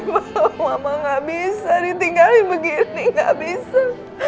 bapak bapak gak bisa ditinggalin begini gak bisa